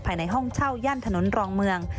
ภายในห้องเช่าย่านถนนรองเมือง